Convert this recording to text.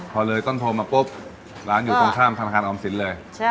พอเลยต้นโพมาปุ๊บร้านอยู่ตรงข้ามธนาคารออมสินเลย